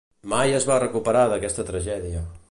Mai es va recuperar d'aquesta tragèdia.